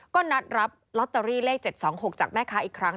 ก็นัดรับลอตเตอรี่เลข๗๒๖จากแม่ค้าอีกครั้ง